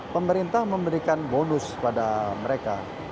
pemerintah memberikan bonus pada mereka